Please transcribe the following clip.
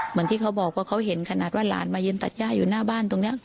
เหมือนที่เขาบอกว่าเขาเห็นขนาดว่าหลานมายืนตัดย่าอยู่หน้าบ้านตรงนี้